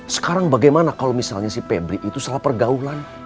sekarang bagaimana kalau misalnya si pebri itu salah pergaulan